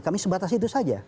kami sebatas itu saja